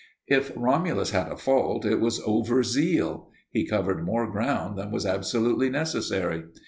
If Romulus had a fault it was overzeal. He covered more ground than was absolutely necessary.